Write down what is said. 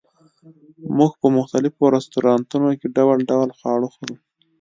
موږ په مختلفو رستورانتونو کې ډول ډول خواړه خورو